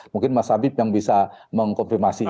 mungkin mas habib yang bisa mengkomprimasi itu